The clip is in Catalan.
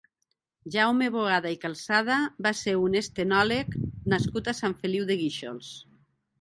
Jaume Boada i Calçada va ser un «Estenòleg» nascut a Sant Feliu de Guíxols.